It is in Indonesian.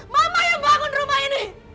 mama yang bangun rumah ini